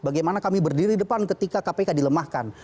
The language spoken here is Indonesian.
bagaimana kami berdiri depan ketika kpk dilemahkan